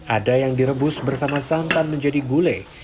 ada yang direbus bersama santan menjadi gulai